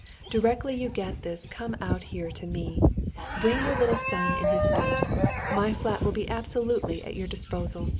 Directly you get this come out here to me. Bring your little son and his nurse. My flat will be absolutely at your disposal.